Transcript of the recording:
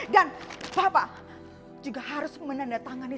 dan bapak juga harus menandatangani